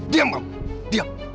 diam kamu diam